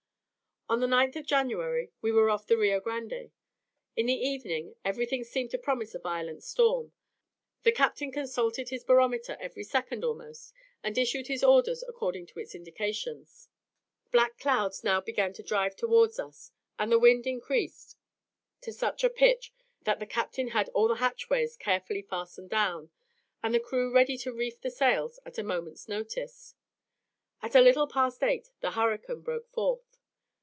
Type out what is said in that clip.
On the 9th of January we were off the Rio Grande. In the evening everything seemed to promise a violent storm; the captain consulted his barometer every second almost, and issued his orders according to its indications. Black clouds now began to drive towards us, and the wind increased to such a pitch that the captain had all the hatchways carefully fastened down, and the crew ready to reef the sails at a moment's notice. At a little past 8, the hurricane broke forth.